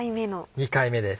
２回目です。